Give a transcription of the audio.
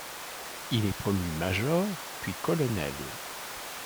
Il est promu major, puis colonel.